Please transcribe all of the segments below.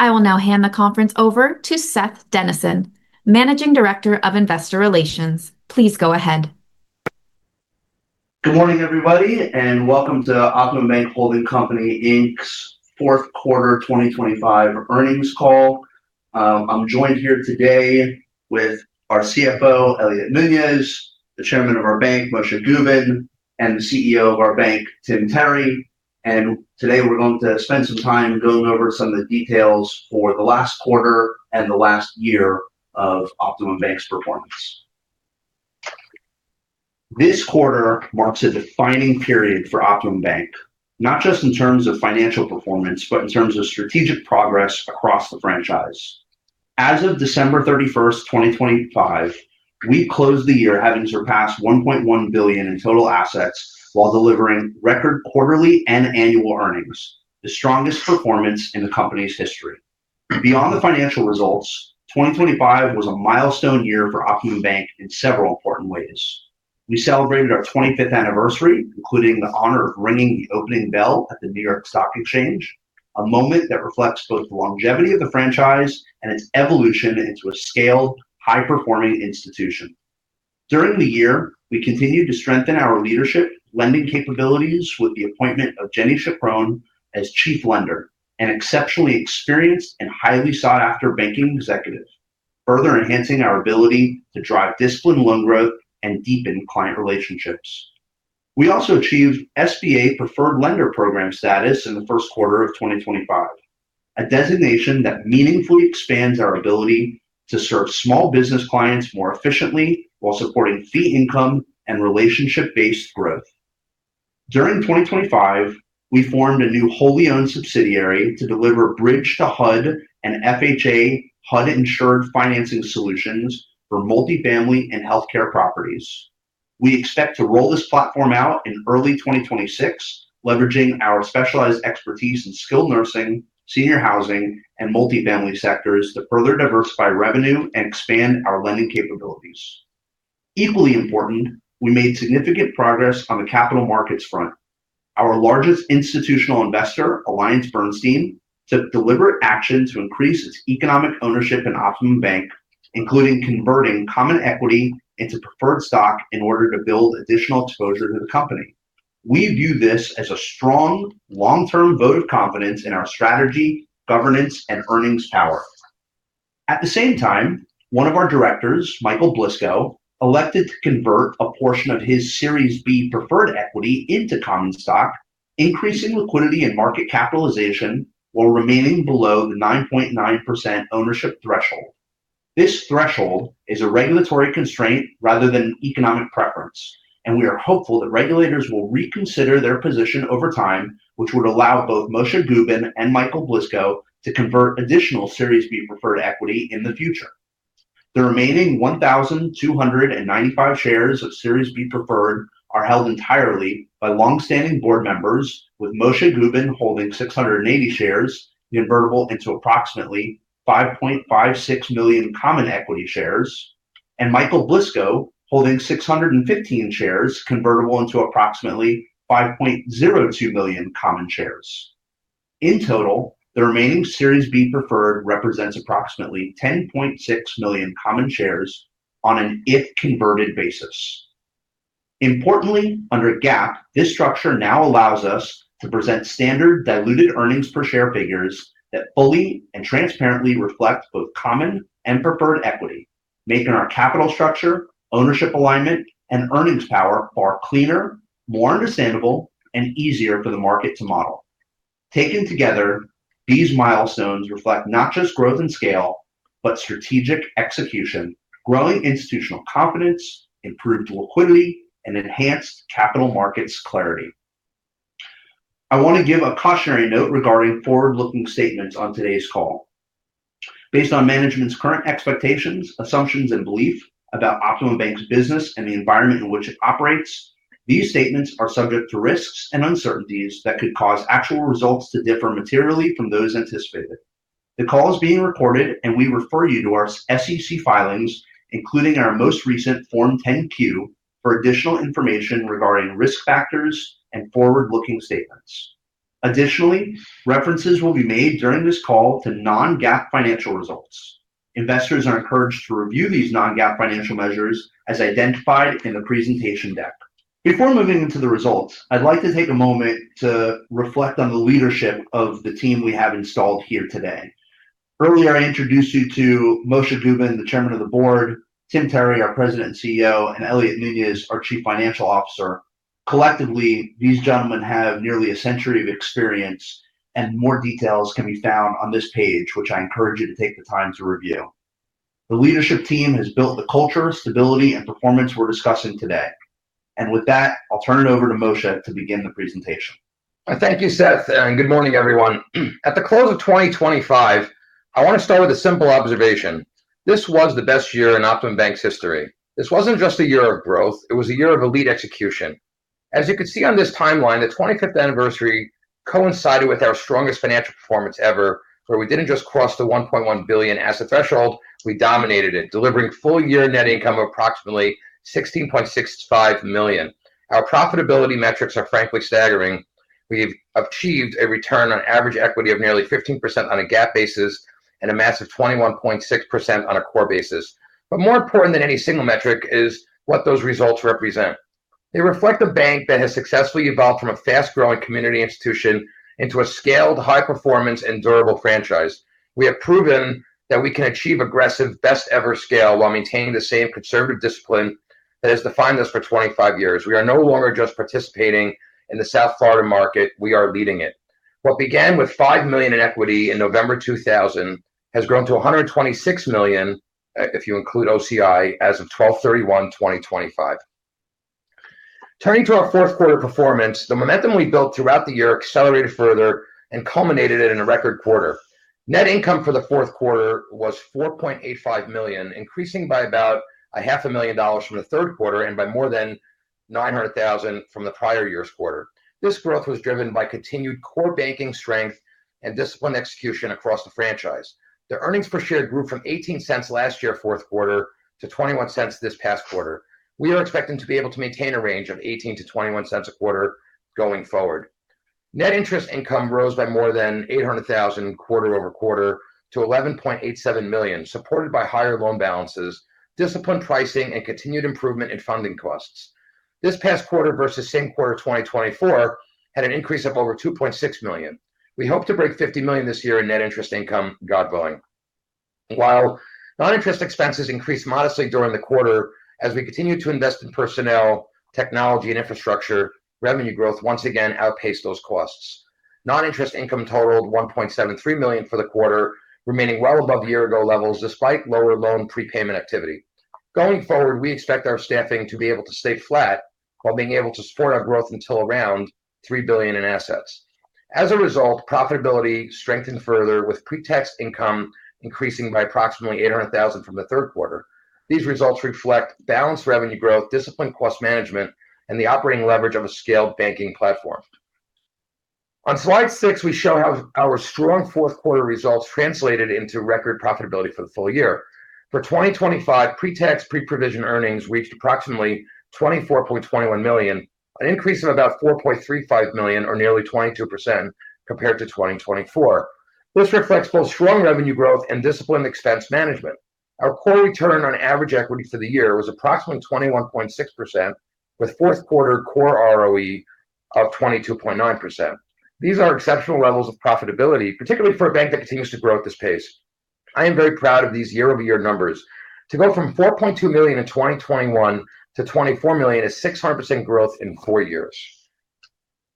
I will now hand the conference over to Seth Denison, Managing Director of Investor Relations. Please go ahead. Good morning, everybody, and welcome to OptimumBank Holdings, Inc.'s fourth quarter 2025 earnings call. I'm joined here today with our CFO, Elliot Nunez, the chairman of our bank, Moishe Gubin, and the CEO of our bank, Tim Terry. Today, we're going to spend some time going over some of the details for the last quarter and the last year of OptimumBank's performance. This quarter marks a defining period for OptimumBank, not just in terms of financial performance, but in terms of strategic progress across the franchise. As of December 31, 2025, we closed the year having surpassed $1.1 billion in total assets while delivering record quarterly and annual earnings, the strongest performance in the company's history. Beyond the financial results, 2025 was a milestone year for OptimumBank in several important ways. We celebrated our 25th anniversary, including the honor of ringing the opening bell at the New York Stock Exchange, a moment that reflects both the longevity of the franchise and its evolution into a scaled, high-performing institution. During the year, we continued to strengthen our leadership lending capabilities with the appointment of Genie Chapin as Chief Lender, an exceptionally experienced and highly sought-after banking executive, further enhancing our ability to drive disciplined loan growth and deepen client relationships. We also achieved SBA Preferred Lender Program status in the first quarter of 2025, a designation that meaningfully expands our ability to serve small business clients more efficiently while supporting fee income and relationship-based growth. During 2025, we formed a new wholly-owned subsidiary to deliver bridge to HUD and FHA HUD-insured financing solutions for multifamily and healthcare properties. We expect to roll this platform out in early 2026, leveraging our specialized expertise in skilled nursing, senior housing, and multifamily sectors to further diversify revenue and expand our lending capabilities. Equally important, we made significant progress on the capital markets front. Our largest institutional investor, AllianceBernstein, took deliberate action to increase its economic ownership in OptimumBank, including converting common equity into preferred stock in order to build additional exposure to the company. We view this as a strong, long-term vote of confidence in our strategy, governance, and earnings power. At the same time, one of our directors, Michael Blisko, elected to convert a portion of his Series B preferred equity into common stock, increasing liquidity and market capitalization while remaining below the 9.9% ownership threshold. This threshold is a regulatory constraint rather than an economic preference, and we are hopeful that regulators will reconsider their position over time, which would allow both Moishe Gubin and Michael Blisko to convert additional Series B preferred equity in the future. The remaining 1,295 shares of Series B preferred are held entirely by long-standing board members, with Moishe Gubin holding 680 shares, convertible into approximately 5.56 million common equity shares, and Michael Blisko holding 615 shares, convertible into approximately 5.02 million common shares. In total, the remaining Series B preferred represents approximately 10.6 million common shares on an if converted basis. Importantly, under GAAP, this structure now allows us to present standard diluted earnings per share figures that fully and transparently reflect both common and preferred equity, making our capital structure, ownership alignment, and earnings power far cleaner, more understandable, and easier for the market to model. Taken together, these milestones reflect not just growth and scale, but strategic execution, growing institutional confidence, improved liquidity, and enhanced capital markets clarity. I want to give a cautionary note regarding forward-looking statements on today's call. Based on management's current expectations, assumptions, and belief about OptimumBank's business and the environment in which it operates, these statements are subject to risks and uncertainties that could cause actual results to differ materially from those anticipated. The call is being recorded, and we refer you to our SEC filings, including our most recent Form 10-Q, for additional information regarding risk factors and forward-looking statements. Additionally, references will be made during this call to non-GAAP financial results. Investors are encouraged to review these non-GAAP financial measures as identified in the presentation deck. Before moving into the results, I'd like to take a moment to reflect on the leadership of the team we have installed here today. Earlier, I introduced you to Moishe Gubin, the Chairman of the Board, Tim Terry, our President and CEO, and Elliot Nunez, our Chief Financial Officer. Collectively, these gentlemen have nearly a century of experience, and more details can be found on this page, which I encourage you to take the time to review. The leadership team has built the culture, stability, and performance we're discussing today. With that, I'll turn it over to Moishe to begin the presentation. Thank you, Seth, and good morning, everyone. At the close of 2025, I want to start with a simple observation. This was the best year in OptimumBank's history. This wasn't just a year of growth, it was a year of elite execution. As you can see on this timeline, the 25th anniversary coincided with our strongest financial performance ever, where we didn't just cross the $1.1 billion asset threshold, we dominated it, delivering full-year net income of approximately $16.65 million. Our profitability metrics are frankly staggering. We've achieved a return on average equity of nearly 15% on a GAAP basis and a massive 21.6% on a core basis. But more important than any single metric is what those results represent. They reflect a bank that has successfully evolved from a fast-growing community institution into a scaled, high-performance, and durable franchise. We have proven that we can achieve aggressive, best-ever scale while maintaining the same conservative discipline that has defined us for 25 years. We are no longer just participating in the South Florida market, we are leading it. What began with $5 million in equity in November 2000 has grown to $126 million, if you include OCI, as of 12/31/2025. Turning to our fourth quarter performance, the momentum we built throughout the year accelerated further and culminated it in a record quarter. Net income for the fourth quarter was $4.85 million, increasing by about $500,000 from the third quarter and by more than $900,000 from the prior year's quarter. This growth was driven by continued core banking strength and disciplined execution across the franchise. The earnings per share grew from $0.18 last year, fourth quarter, to $0.21 this past quarter. We are expecting to be able to maintain a range of $0.18-$0.21 a quarter going forward. Net interest income rose by more than $800,000 quarter-over-quarter to $11.87 million, supported by higher loan balances, disciplined pricing, and continued improvement in funding costs. This past quarter versus same quarter 2024 had an increase of over $2.6 million. We hope to break $50 million this year in net interest income, God willing. While non-interest expenses increased modestly during the quarter as we continued to invest in personnel, technology, and infrastructure, revenue growth once again outpaced those costs. Non-interest income totaled $1.73 million for the quarter, remaining well above the year ago levels, despite lower loan prepayment activity. Going forward, we expect our staffing to be able to stay flat while being able to support our growth until around $3 billion in assets. As a result, profitability strengthened further, with pre-tax income increasing by approximately $800,000 from the third quarter. These results reflect balanced revenue growth, disciplined cost management, and the operating leverage of a scaled banking platform. On slide 6, we show how our strong fourth quarter results translated into record profitability for the full year. For 2025, pre-tax, pre-provision earnings reached approximately $24.21 million, an increase of about $4.35 million or nearly 22% compared to 2024. This reflects both strong revenue growth and disciplined expense management. Our core return on average equity for the year was approximately 21.6%, with fourth quarter core ROE of 22.9%. These are exceptional levels of profitability, particularly for a bank that continues to grow at this pace. I am very proud of these year-over-year numbers. To go from $4.2 million in 2021 to $24 million is 600% growth in four years.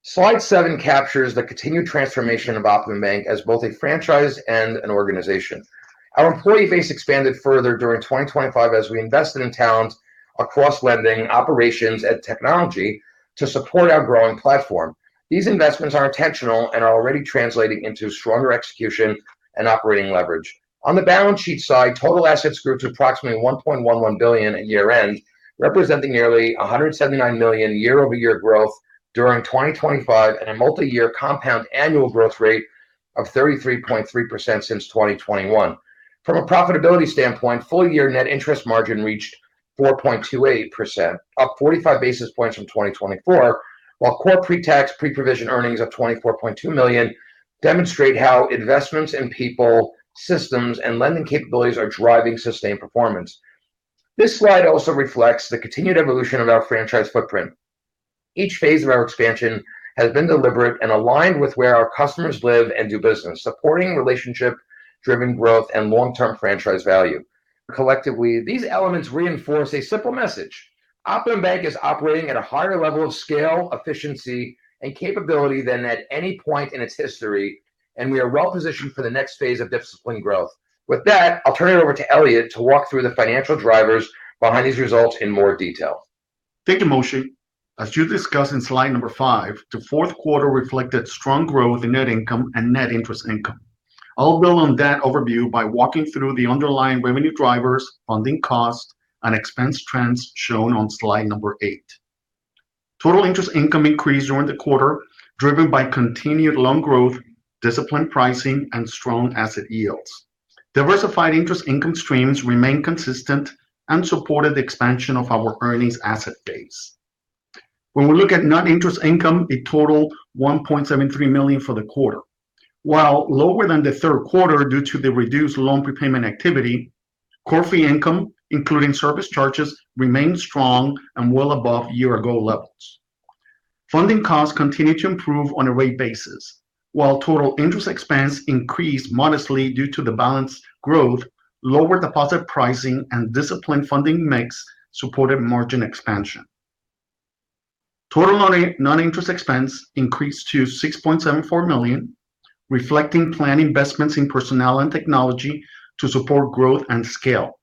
Slide 7 captures the continued transformation of OptimumBank as both a franchise and an organization. Our employee base expanded further during 2025 as we invested in talent across lending, operations, and technology to support our growing platform. These investments are intentional and are already translating into stronger execution and operating leverage. On the balance sheet side, total assets grew to approximately $1.11 billion at year-end, representing nearly $179 million year-over-year growth during 2025 and a multi-year compound annual growth rate of 33.3% since 2021. From a profitability standpoint, full year net interest margin reached 4.28%, up 45 basis points from 2024, while core pre-tax, pre-provision earnings of $24.2 million demonstrate how investments in people, systems, and lending capabilities are driving sustained performance. This slide also reflects the continued evolution of our franchise footprint. Each phase of our expansion has been deliberate and aligned with where our customers live and do business, supporting relationship-driven growth and long-term franchise value. Collectively, these elements reinforce a simple message: OptimumBank is operating at a higher level of scale, efficiency, and capability than at any point in its history, and we are well positioned for the next phase of disciplined growth. With that, I'll turn it over to Elliot to walk through the financial drivers behind these results in more detail. Thank you, Moishe. As you discussed in slide number 5, the fourth quarter reflected strong growth in net income and net interest income. I'll build on that overview by walking through the underlying revenue drivers, funding costs, and expense trends shown on slide number 8. Total interest income increased during the quarter, driven by continued loan growth, disciplined pricing, and strong asset yields. Diversified interest income streams remained consistent and supported the expansion of our earnings asset base. When we look at non-interest income, it totaled $1.73 million for the quarter. While lower than the third quarter due to the reduced loan prepayment activity, core fee income, including service charges, remained strong and well above year-ago levels. Funding costs continued to improve on a rate basis. While total interest expense increased modestly due to the balance growth, lower deposit pricing and disciplined funding mix supported margin expansion. Total non-interest expense increased to $6.74 million, reflecting planned investments in personnel and technology to support growth and scale.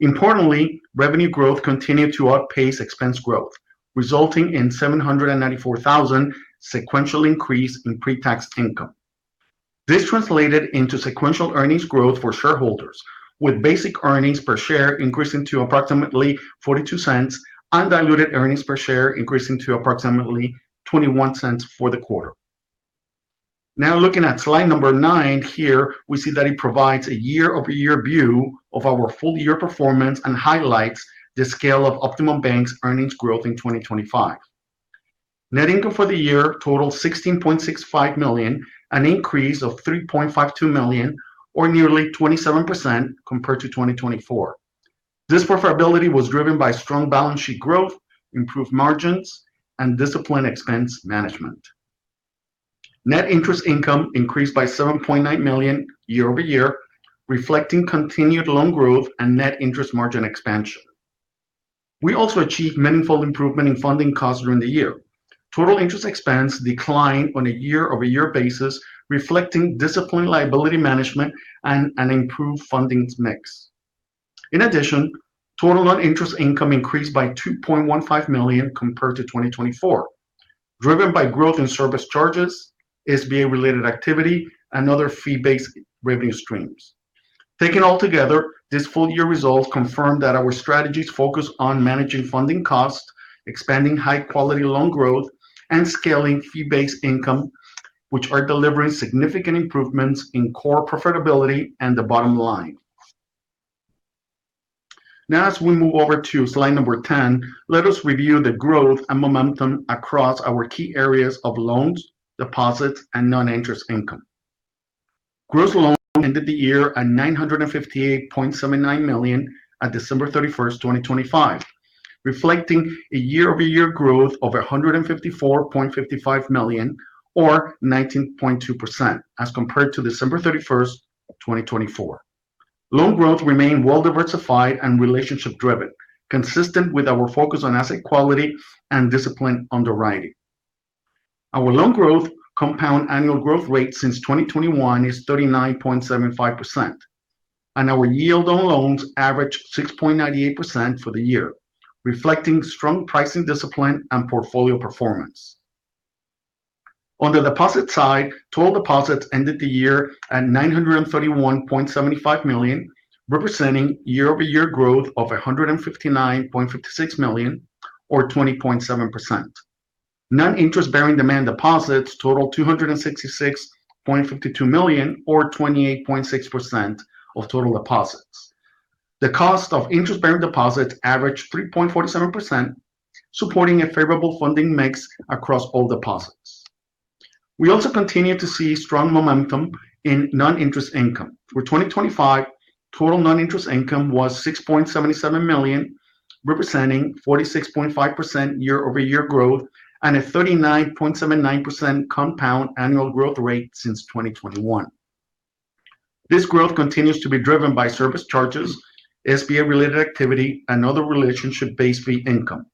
Importantly, revenue growth continued to outpace expense growth, resulting in $794,000 sequential increase in pre-tax income. This translated into sequential earnings growth for shareholders, with basic earnings per share increasing to approximately $0.42, and diluted earnings per share increasing to approximately $0.21 for the quarter.... Now looking at slide 9, here, we see that it provides a year-over-year view of our full year performance and highlights the scale of OptimumBank's earnings growth in 2025. Net income for the year totaled $16.65 million, an increase of $3.52 million or nearly 27% compared to 2024. This profitability was driven by strong balance sheet growth, improved margins, and disciplined expense management. Net interest income increased by $7.9 million year-over-year, reflecting continued loan growth and net interest margin expansion. We also achieved meaningful improvement in funding costs during the year. Total interest expense declined on a year-over-year basis, reflecting disciplined liability management and an improved fundings mix. In addition, total non-interest income increased by $2.15 million compared to 2024, driven by growth in service charges, SBA-related activity, and other fee-based revenue streams. Taken altogether, these full-year results confirm that our strategies focus on managing funding costs, expanding high-quality loan growth, and scaling fee-based income, which are delivering significant improvements in core profitability and the bottom line. Now, as we move over to slide number 10, let us review the growth and momentum across our key areas of loans, deposits, and non-interest income. Gross loans ended the year at $958.79 million at December 31, 2025, reflecting a year-over-year growth of $154.55 million or 19.2% as compared to December 31, 2024. Loan growth remained well-diversified and relationship-driven, consistent with our focus on asset quality and disciplined underwriting. Our loan growth compound annual growth rate since 2021 is 39.75%, and our yield on loans averaged 6.98% for the year, reflecting strong pricing discipline and portfolio performance. On the deposit side, total deposits ended the year at $931.75 million, representing year-over-year growth of $159.56 million or 20.7%. Non-interest bearing demand deposits totaled $266.52 million or 28.6% of total deposits. The cost of interest-bearing deposits averaged 3.47%, supporting a favorable funding mix across all deposits. We also continue to see strong momentum in non-interest income. For 2025, total non-interest income was $6.77 million, representing 46.5% year-over-year growth and a 39.79% compound annual growth rate since 2021. This growth continues to be driven by service charges, SBA-related activity, and other relationship-based fee income,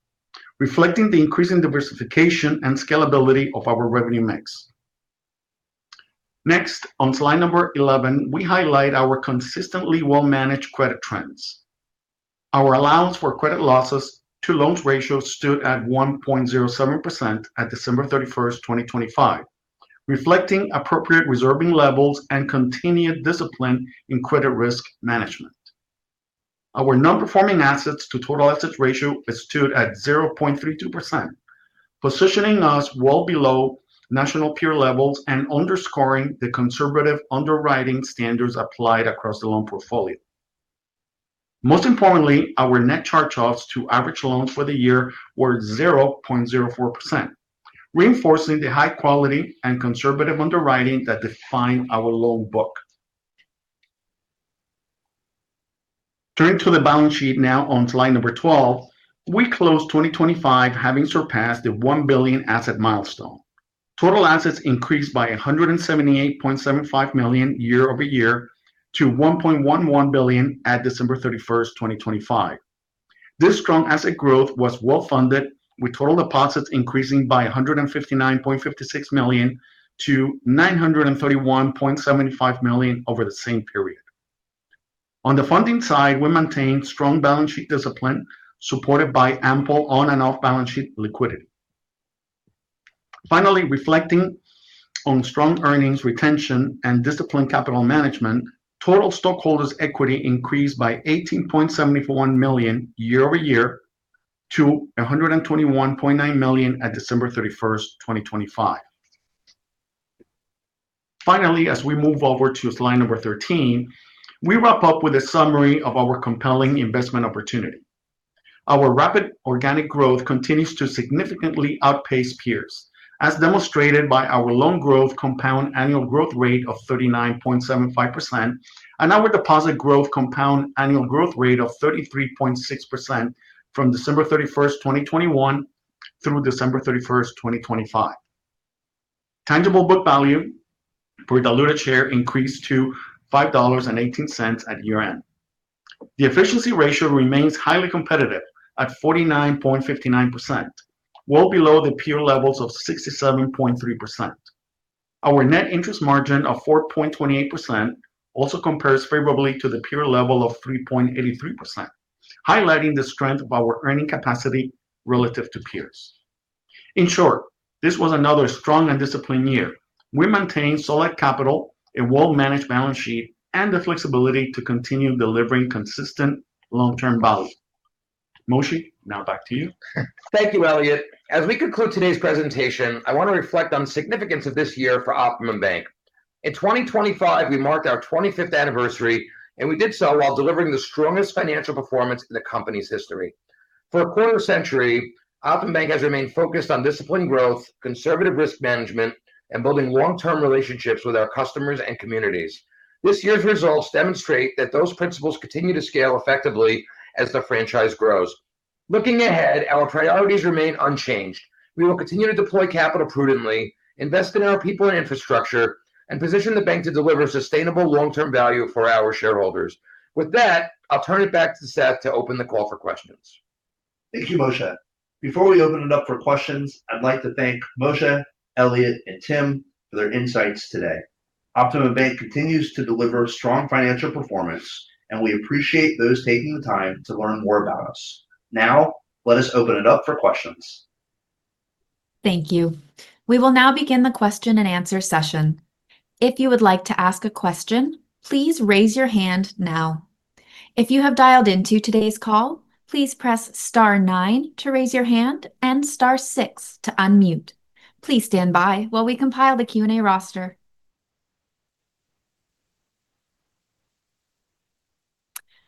reflecting the increasing diversification and scalability of our revenue mix. Next, on slide 11, we highlight our consistently well-managed credit trends. Our allowance for credit losses to loans ratio stood at 1.07% at December 31, 2025, reflecting appropriate reserving levels and continued discipline in credit risk management. Our Non-Performing Assets to total assets ratio is stood at 0.32%, positioning us well below national peer levels and underscoring the conservative underwriting standards applied across the loan portfolio. Most importantly, our net charge-offs to average loans for the year were 0.04%, reinforcing the high quality and conservative underwriting that define our loan book. Turning to the balance sheet now on slide 12, we closed 2025, having surpassed the $1 billion asset milestone. Total assets increased by $178.75 million year-over-year to $1.11 billion at December 31, 2025. This strong asset growth was well-funded, with total deposits increasing by $159.56 million to $931.75 million over the same period. On the funding side, we maintained strong balance sheet discipline, supported by ample on and off-balance sheet liquidity. Finally, reflecting on strong earnings retention and disciplined capital management, total stockholders' equity increased by $18.741 million year over year to $121.9 million at December 31, 2025. Finally, as we move over to slide 13, we wrap up with a summary of our compelling investment opportunity. Our rapid organic growth continues to significantly outpace peers, as demonstrated by our loan growth compound annual growth rate of 39.75% and our deposit growth compound annual growth rate of 33.6% from December 31, 2021 through December 31, 2025. Tangible book value per diluted share increased to $5.18 at year-end. The efficiency ratio remains highly competitive at 49.59%, well below the peer levels of 67.3%. Our net interest margin of 4.28% also compares favorably to the peer level of 3.83%, highlighting the strength of our earning capacity relative to peers. In short, this was another strong and disciplined year. We maintained solid capital, a well-managed balance sheet, and the flexibility to continue delivering consistent long-term value. ... Moishe, now back to you. Thank you, Elliot. As we conclude today's presentation, I want to reflect on the significance of this year for OptimumBank. In 2025, we marked our 25th anniversary, and we did so while delivering the strongest financial performance in the company's history. For a quarter century, OptimumBank has remained focused on disciplined growth, conservative risk management, and building long-term relationships with our customers and communities. This year's results demonstrate that those principles continue to scale effectively as the franchise grows. Looking ahead, our priorities remain unchanged. We will continue to deploy capital prudently, invest in our people and infrastructure, and position the bank to deliver sustainable long-term value for our shareholders. With that, I'll turn it back to Seth to open the call for questions. Thank you, Moishe. Before we open it up for questions, I'd like to thank Moishe, Elliot, and Tim for their insights today. OptimumBank continues to deliver strong financial performance, and we appreciate those taking the time to learn more about us. Now, let us open it up for questions. Thank you. We will now begin the question and answer session. If you would like to ask a question, please raise your hand now. If you have dialed into today's call, please press star nine to raise your hand and star six to unmute. Please stand by while we compile the Q&A roster.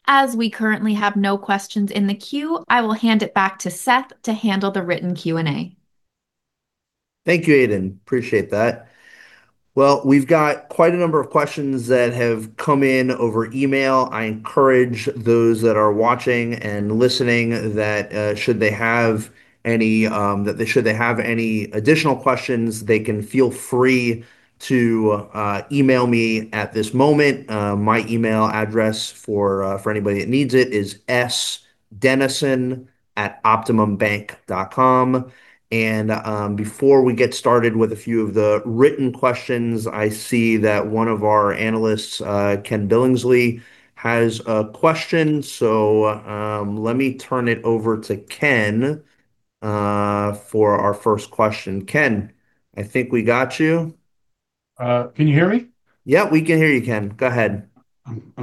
As we currently have no questions in the queue, I will hand it back to Seth to handle the written Q&A. Thank you, Aiden. Appreciate that. Well, we've got quite a number of questions that have come in over email. I encourage those that are watching and listening that, should they have any additional questions, they can feel free to email me at this moment. My email address for anybody that needs it is sdenison@optimumbank.com. And, before we get started with a few of the written questions, I see that one of our analysts, Ken Billingsley, has a question. So, let me turn it over to Ken for our first question. Ken, I think we got you. Can you hear me? Yeah, we can hear you, Ken. Go ahead.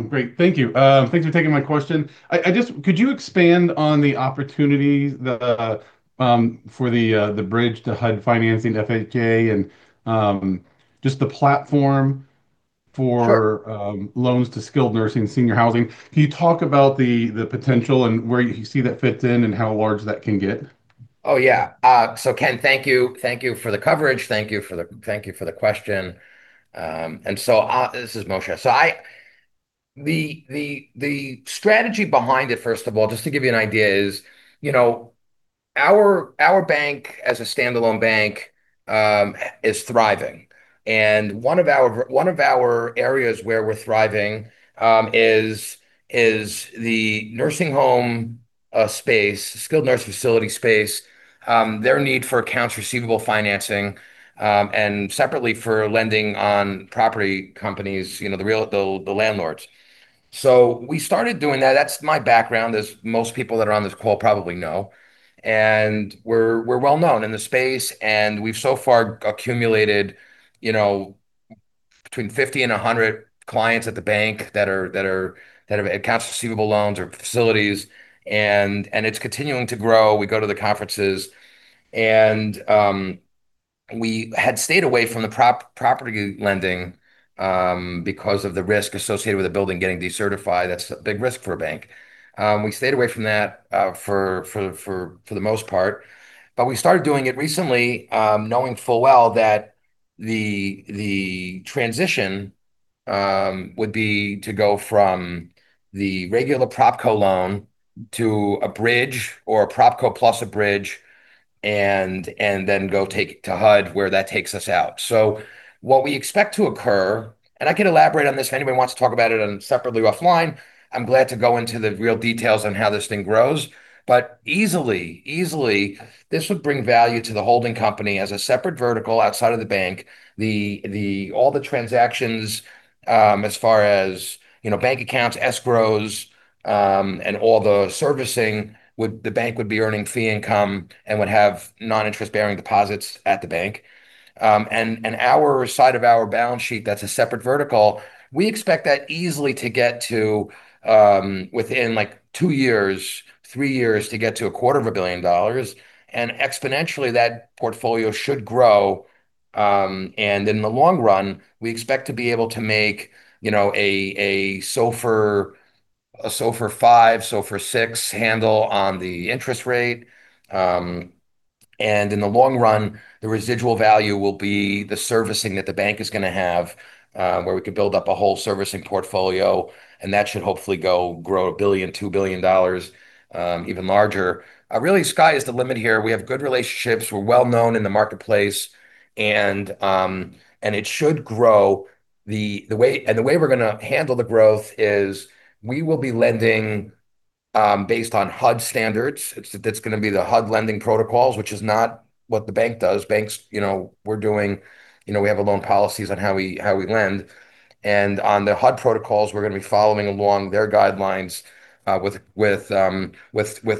Great. Thank you. Thanks for taking my question. I just could you expand on the opportunities that, for the bridge to HUD financing FHA and, just the platform for? Sure... loans to skilled nursing and senior housing? Can you talk about the potential and where you see that fits in and how large that can get? Oh, yeah. So Ken, thank you, thank you for the coverage. Thank you for the question. And so, this is Moishe. So the strategy behind it, first of all, just to give you an idea, is, you know, our bank as a standalone bank is thriving. And one of our areas where we're thriving is the nursing home space, skilled nursing facility space, their need for accounts receivable financing, and separately, for lending on property companies, you know, the real landlords. So we started doing that. That's my background, as most people that are on this call probably know. We're well known in the space, and we've so far accumulated, you know, between 50 and 100 clients at the bank that have accounts receivable loans or facilities, and it's continuing to grow. We go to the conferences. We had stayed away from the property lending because of the risk associated with the building getting decertified. That's a big risk for a bank. We stayed away from that for the most part, but we started doing it recently, knowing full well that the transition would be to go from the regular prop co loan to a bridge or a prop co plus a bridge and then go take it to HUD, where that takes us out. So what we expect to occur, and I can elaborate on this if anybody wants to talk about it on separately offline, I'm glad to go into the real details on how this thing grows. But easily, easily, this would bring value to the holding company as a separate vertical outside of the bank. All the transactions, as far as, you know, bank accounts, escrows, and all the servicing, the bank would be earning fee income and would have non-interest-bearing deposits at the bank. And our side of our balance sheet, that's a separate vertical. We expect that easily to get to, within, like, two years, three years, to get to $250 million, and exponentially, that portfolio should grow. And in the long run, we expect to be able to make, you know, a SOFR five, SOFR six handle on the interest rate. And in the long run, the residual value will be the servicing that the bank is going to have, where we can build up a whole servicing portfolio, and that should hopefully grow $1 billion, $2 billion, even larger. Really, sky is the limit here. We have good relationships. We're well known in the marketplace, and it should grow. The way we're going to handle the growth is we will be lending based on HUD standards. That's going to be the HUD lending protocols, which is not what the bank does. Banks, you know, we're doing... You know, we have a loan policies on how we lend. On the HUD protocols, we're going to be following along their guidelines, with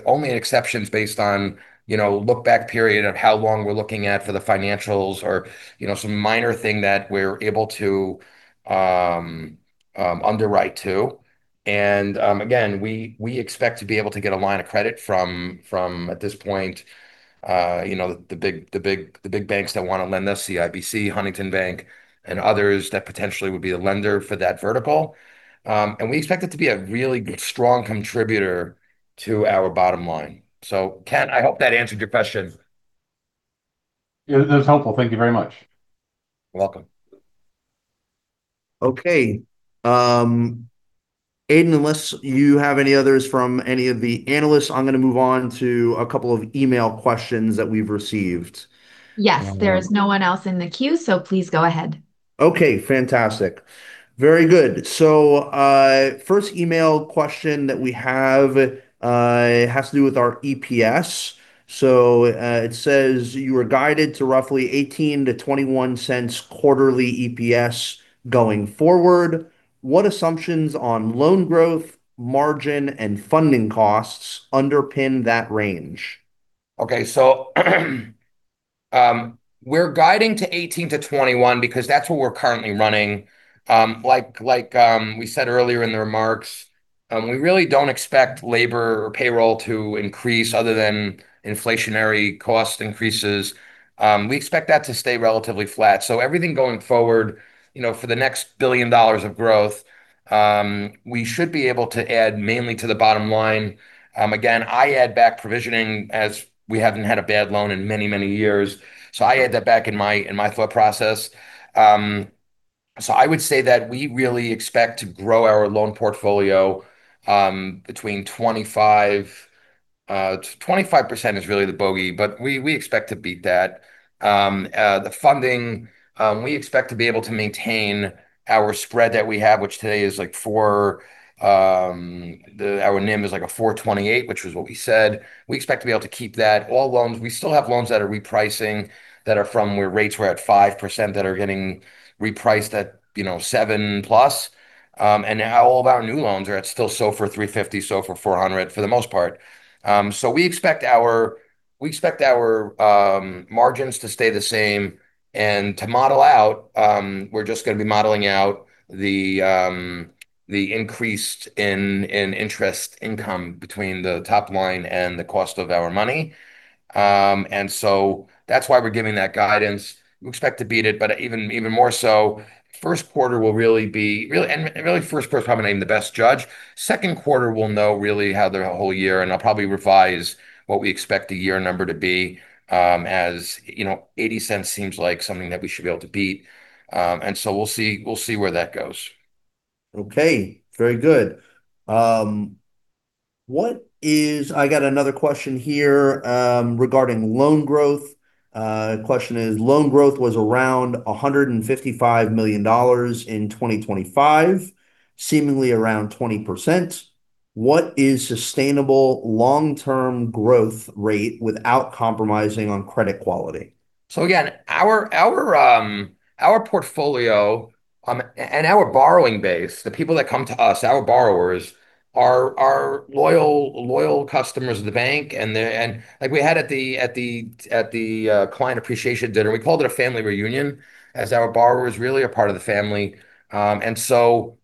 only exceptions based on, you know, look-back period of how long we're looking at for the financials or, you know, some minor thing that we're able to underwrite to, and again, we expect to be able to get a line of credit from at this point, you know, the big banks that want to lend us, CIBC, Huntington Bank, and others that potentially would be a lender for that vertical. And we expect it to be a really strong contributor to our bottom line. So Ken, I hope that answered your question. It was helpful. Thank you very much. You're welcome. Okay, Aiden, unless you have any others from any of the analysts, I'm going to move on to a couple of email questions that we've received. Yes, there's no one else in the queue, so please go ahead. Okay, fantastic. Very good. So, first email question that we have, has to do with our EPS. So, it says, "You were guided to roughly $0.18-$0.21 quarterly EPS going forward. What assumptions on loan growth, margin, and funding costs underpin that range? Okay, so, we're guiding to 18-21 because that's what we're currently running. Like, like, we said earlier in the remarks, we really don't expect labor or payroll to increase other than inflationary cost increases. We expect that to stay relatively flat. So everything going forward, you know, for the next $1 billion of growth, we should be able to add mainly to the bottom line. Again, I add back provisioning, as we haven't had a bad loan in many, many years, so I add that back in my, in my thought process. So I would say that we really expect to grow our loan portfolio, between 25, 25% is really the bogey, but we, we expect to beat that. The funding, we expect to be able to maintain our spread that we have, which today is, like, 4... Our NIM is, like, a 4.28, which was what we said. We expect to be able to keep that. All loans. We still have loans that are repricing, that are from where rates were at 5%, that are getting repriced at, you know, 7+. And now all of our new loans are at still SOFR 350, SOFR 400, for the most part. So we expect our, we expect our, margins to stay the same and to model out, we're just going to be modeling out the, the increase in, in interest income between the top line and the cost of our money. And so that's why we're giving that guidance. We expect to beat it, but even more so, first quarter will really be the best judge. Second quarter, we'll know really how the whole year, and I'll probably revise what we expect the year number to be, as, you know, $0.80 seems like something that we should be able to beat. And so we'll see, we'll see where that goes. Okay, very good. I got another question here, regarding loan growth. Question is: "Loan growth was around $155 million in 2025, seemingly around 20%. What is sustainable long-term growth rate without compromising on credit quality? So again, our portfolio and our borrowing base, the people that come to us, our borrowers, are loyal customers of the bank. Like, we had at the client appreciation dinner, we called it a family reunion, as our borrowers are really a part of the family. And so,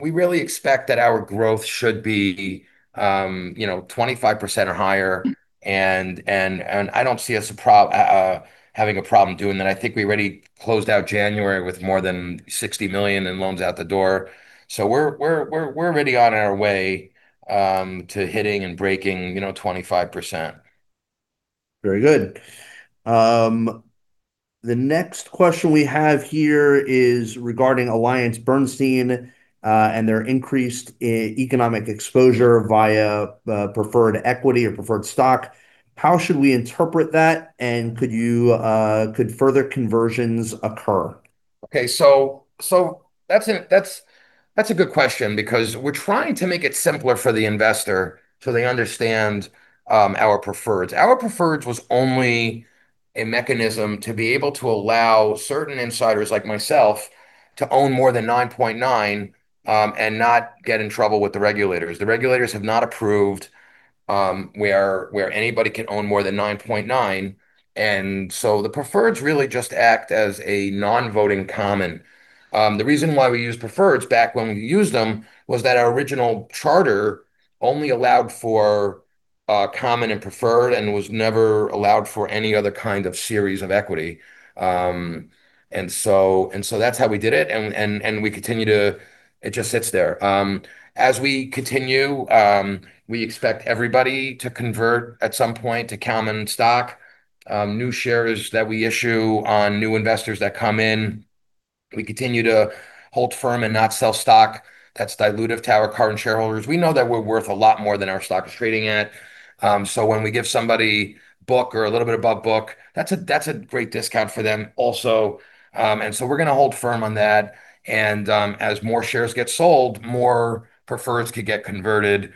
we really expect that our growth should be, you know, 25% or higher, and I don't see us having a problem doing that. I think we already closed out January with more than $60 million in loans out the door. So we're already on our way to hitting and breaking, you know, 25%. Very good. The next question we have here is regarding AllianceBernstein and their increased economic exposure via preferred equity or preferred stock. How should we interpret that, and could further conversions occur? Okay, that's a good question because we're trying to make it simpler for the investor, so they understand our preferreds. Our preferreds was only a mechanism to be able to allow certain insiders, like myself, to own more than 9.9 and not get in trouble with the regulators. The regulators have not approved where anybody can own more than 9.9, and so the preferreds really just act as a non-voting common. The reason why we use preferreds back when we used them was that our original charter only allowed for common and preferred and was never allowed for any other kind of series of equity. So that's how we did it, and we continue to—it just sits there. As we continue, we expect everybody to convert at some point to common stock. New shares that we issue on new investors that come in, we continue to hold firm and not sell stock. That's dilutive to our current shareholders. We know that we're worth a lot more than our stock is trading at. So when we give somebody book or a little bit above book, that's a great discount for them also. And so we're going to hold firm on that, and as more shares get sold, more preferreds could get converted.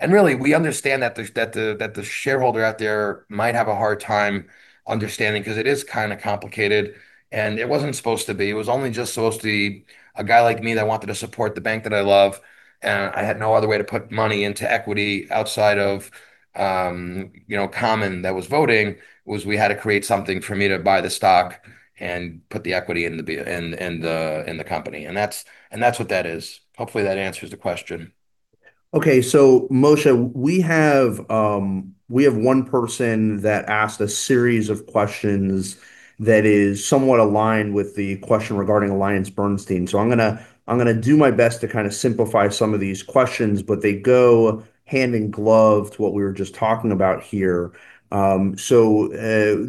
And really, we understand that the shareholder out there might have a hard time understanding, 'cause it is kind of complicated, and it wasn't supposed to be. It was only just supposed to be a guy like me that wanted to support the bank that I love, and I had no other way to put money into equity outside of, you know, common that was voting. We had to create something for me to buy the stock and put the equity in the company. And that's what that is. Hopefully, that answers the question.... Okay, so Moishe, we have one person that asked a series of questions that is somewhat aligned with the question regarding AllianceBernstein. So I'm gonna do my best to kind of simplify some of these questions, but they go hand in glove to what we were just talking about here.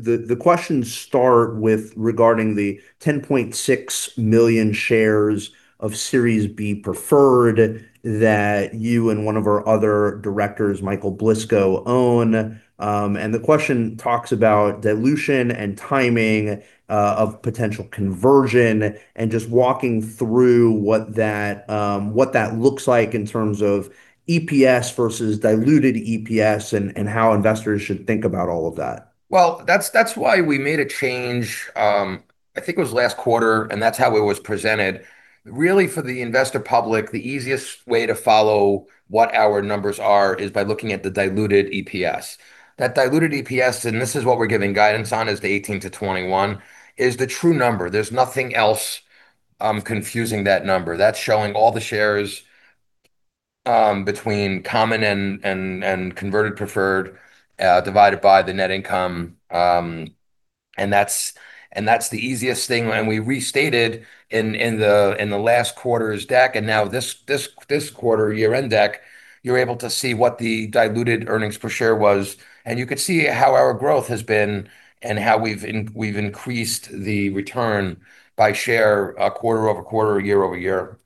The questions start with regarding the 10.6 million shares of Series B preferred that you and one of our other directors, Michael Blisko, own. And the question talks about dilution and timing of potential conversion, and just walking through what that looks like in terms of EPS versus diluted EPS, and how investors should think about all of that. Well, that's, that's why we made a change, I think it was last quarter, and that's how it was presented. Really, for the investor public, the easiest way to follow what our numbers are is by looking at the Diluted EPS. That Diluted EPS, and this is what we're giving guidance on, is $0.18-$0.21, is the true number. There's nothing else confusing that number. That's showing all the shares between common and converted preferred divided by the net income. And that's the easiest thing. We restated in the last quarter's deck, and now this quarter, year-end deck, you're able to see what the diluted earnings per share was, and you can see how our growth has been and how we've increased the return by share, quarter-over-quarter, year-over-year.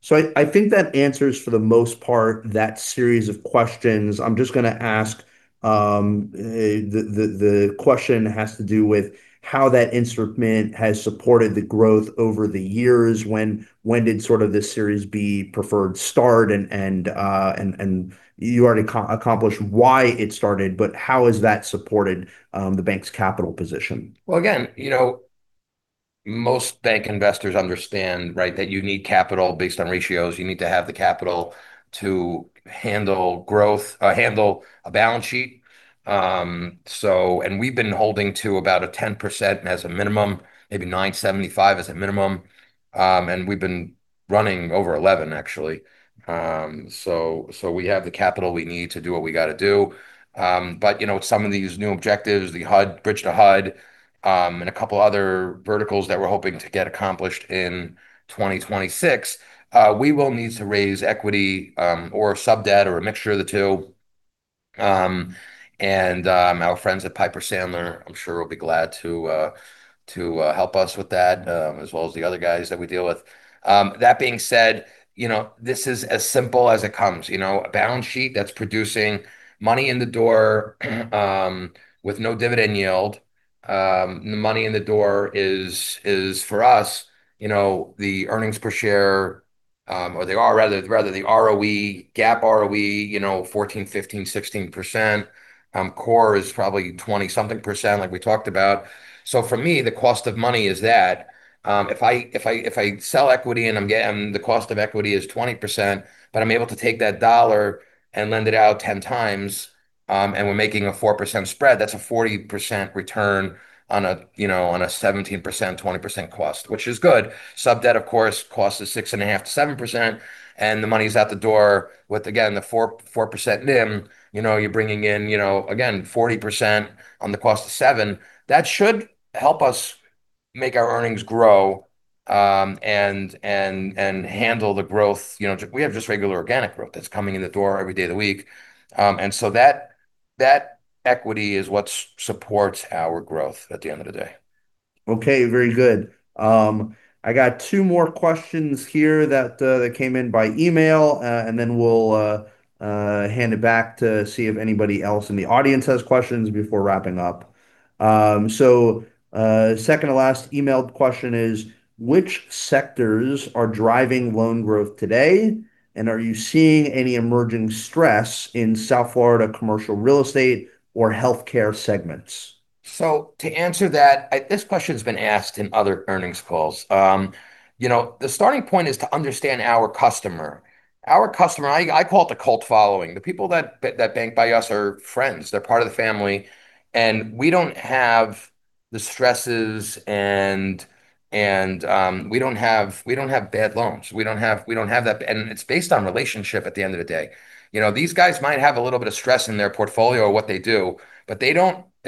So I think that answers, for the most part, that series of questions. I'm just gonna ask the question has to do with how that instrument has supported the growth over the years. When did sort of this Series B Preferred start? And you already accomplished why it started, but how has that supported the bank's capital position? Well, again, you know, most bank investors understand, right, that you need capital based on ratios. You need to have the capital to handle growth, handle a balance sheet. And we've been holding to about 10% as a minimum, maybe 9.75% as a minimum. And we've been running over 11, actually. So we have the capital we need to do what we gotta do. But, you know, some of these new objectives, the HUD, bridge to HUD, and a couple other verticals that we're hoping to get accomplished in 2026, we will need to raise equity, or sub-debt, or a mixture of the two. And our friends at Piper Sandler, I'm sure, will be glad to help us with that, as well as the other guys that we deal with. That being said, you know, this is as simple as it comes. You know, a balance sheet that's producing money in the door, with no dividend yield. The money in the door is, is for us, you know, the earnings per share, or they are rather, rather the ROE, GAAP ROE, you know, 14, 15, 16%. Core is probably twenty-something%, like we talked about. So for me, the cost of money is that, if I sell equity, the cost of equity is 20%, but I'm able to take that dollar and lend it out 10 times, and we're making a 4% spread, that's a 40% return on a, you know, on a 17%, 20% cost, which is good. Sub-debt, of course, cost is 6.5%-7%, and the money's out the door with, again, the 4.4% NIM. You know, you're bringing in, you know, again, 40% on the cost of 7. That should help us make our earnings grow and handle the growth. You know, we have just regular organic growth that's coming in the door every day of the week. And so that equity is what supports our growth at the end of the day. Okay, very good. I got two more questions here that that came in by email, and then we'll hand it back to see if anybody else in the audience has questions before wrapping up. Second to last emailed question is: Which sectors are driving loan growth today, and are you seeing any emerging stress in South Florida commercial real estate or healthcare segments? So to answer that, I... This question's been asked in other earnings calls. You know, the starting point is to understand our customer. Our customer, I call it the cult following. The people that bank by us are friends. They're part of the family, and we don't have the stresses, and we don't have, we don't have bad loans. We don't have, we don't have that. And it's based on relationship at the end of the day. You know, these guys might have a little bit of stress in their portfolio or what they do, but it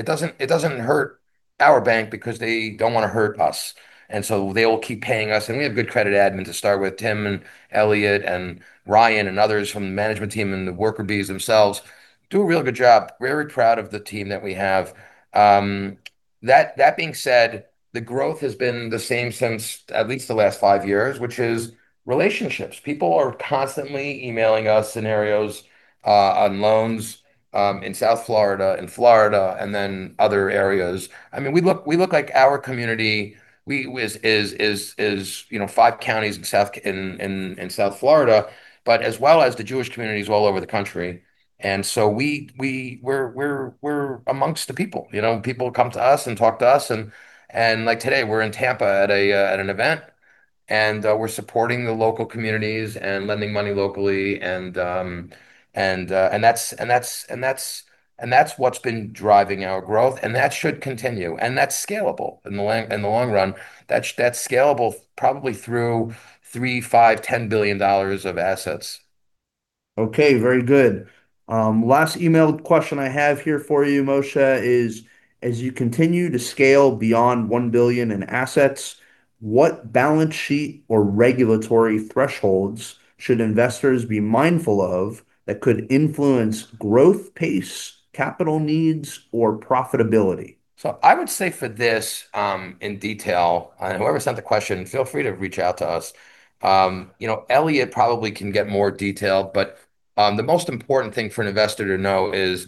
doesn't, it doesn't hurt our bank because they don't wanna hurt us, and so they will keep paying us. And we have good credit admin to start with. Tim and Elliot and Ryan and others from the management team and the worker bees themselves do a real good job. We're very proud of the team that we have. That being said, the growth has been the same since at least the last five years, which is relationships. People are constantly emailing us scenarios on loans in South Florida and Florida, and then other areas. I mean, we look, we look like our community, which is, you know, five counties in South Florida, but as well as the Jewish communities all over the country. And so we, we, we're, we're, we're amongst the people. You know, people come to us and talk to us, and like today, we're in Tampa at an event, and we're supporting the local communities and lending money locally. And that's what's been driving our growth, and that should continue, and that's scalable. In the long run, that's scalable probably through $3 billion, $5 billion, $10 billion of assets.... Okay, very good. Last emailed question I have here for you, Moishe, is: as you continue to scale beyond $1 billion in assets, what balance sheet or regulatory thresholds should investors be mindful of that could influence growth pace, capital needs, or profitability? So I would say for this, in detail, and whoever sent the question, feel free to reach out to us. You know, Elliot probably can get more detailed, but, the most important thing for an investor to know is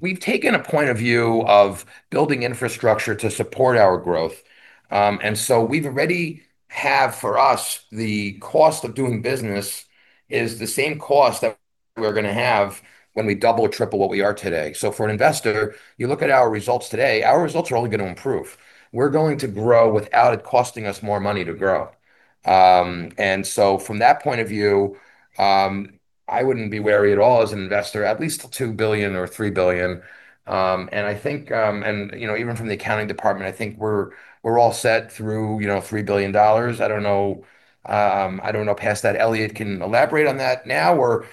we've taken a point of view of building infrastructure to support our growth. And so we already have for us, the cost of doing business is the same cost that we're gonna have when we double or triple what we are today. So for an investor, you look at our results today, our results are only gonna improve. We're going to grow without it costing us more money to grow. And so from that point of view, I wouldn't be wary at all as an investor, at least 2 billion or 3 billion. And I think... You know, even from the accounting department, I think we're all set through $3 billion. I don't know past that. Elliot can elaborate on that now, or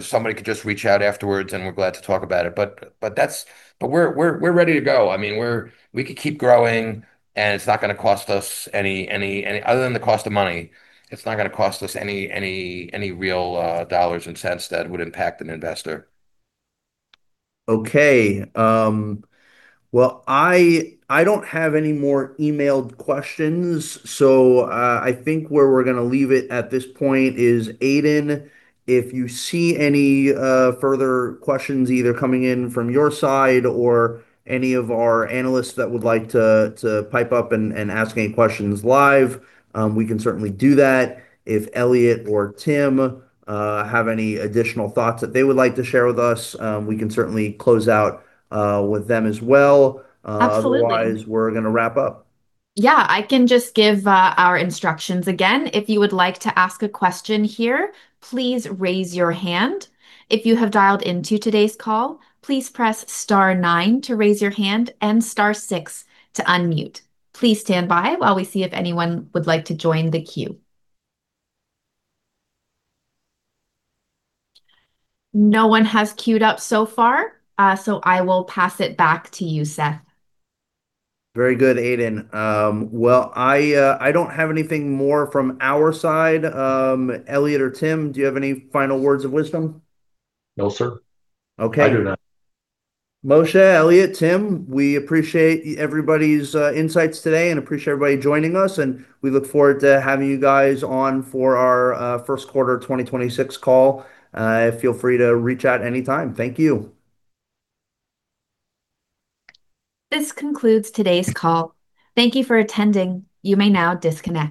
somebody could just reach out afterwards, and we're glad to talk about it. But we're ready to go. I mean, we could keep growing, and it's not gonna cost us any. Other than the cost of money, it's not gonna cost us any real dollars and cents that would impact an investor. Okay, well, I don't have any more emailed questions, so I think where we're gonna leave it at this point is, Aiden, if you see any further questions either coming in from your side or any of our analysts that would like to pipe up and ask any questions live, we can certainly do that. If Elliot or Tim have any additional thoughts that they would like to share with us, we can certainly close out with them as well. Absolutely. Otherwise, we're gonna wrap up. Yeah, I can just give our instructions again. If you would like to ask a question here, please raise your hand. If you have dialed into today's call, please press star nine to raise your hand and star six to unmute. Please stand by while we see if anyone would like to join the queue. No one has queued up so far, so I will pass it back to you, Seth. Very good, Aiden. Well, I don't have anything more from our side. Elliot or Tim, do you have any final words of wisdom? No, sir. Okay. I do not. Moishe, Elliot, Tim, we appreciate everybody's insights today and appreciate everybody joining us, and we look forward to having you guys on for our first quarter 2026 call. Feel free to reach out anytime. Thank you. This concludes today's call. Thank you for attending. You may now disconnect.